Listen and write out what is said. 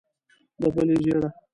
د بلې ژېړه.